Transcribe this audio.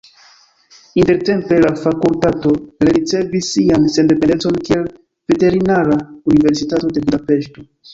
Intertempe la fakultato rericevis sian sendependecon kiel Veterinara Universitato de Budapeŝto.